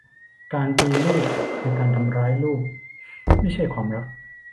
การตีลูกคือการทำร้ายลูก ไม่ใช่ความรัก